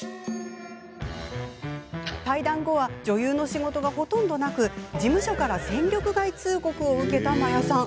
退団後は女優の仕事がほとんどなく事務所から戦力外通告を受けた真矢さん。